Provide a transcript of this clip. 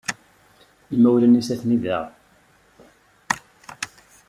Imawlan-nnes atni da.